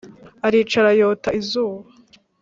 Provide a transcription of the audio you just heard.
aricara yota izuba.